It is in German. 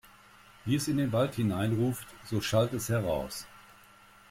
Wie es in den Wald hineinruft, so schallt es heraus.